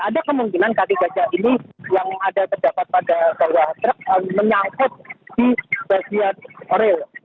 ada kemungkinan kaki gajah ini yang ada terdapat pada bawah truk menyangkut di bagian rel